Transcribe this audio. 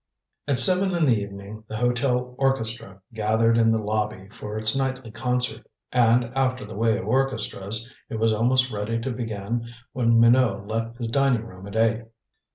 At seven in the evening the hotel orchestra gathered in the lobby for its nightly concert, and after the way of orchestras, it was almost ready to begin when Minot left the dining room at eight.